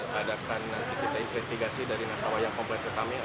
di adakan nanti kita investigasi dari nasabah yang kompleks utamanya